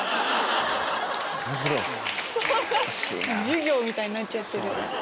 授業みたいになっちゃってる。